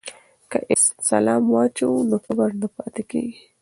که سلام واچوو نو کبر نه پاتې کیږي.